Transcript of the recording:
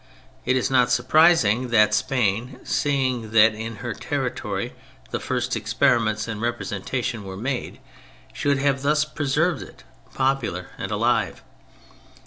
It is not surprising that Spain (seeing that in her territory the first experiments in represen tation were made) should have thus preserved it, popular and alive.